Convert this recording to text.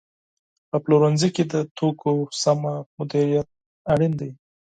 په پلورنځي کې د توکو سمه مدیریت مهم دی.